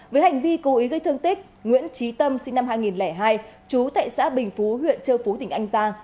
với hành vi cố ý gây thương tích nguyễn trí tâm sinh năm hai nghìn hai chú tại xã bình phú huyện châu phú tỉnh an giang